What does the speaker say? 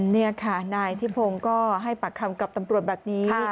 นี่ค่ะนายทิพงศ์ก็ให้ปากคำกับตำรวจแบบนี้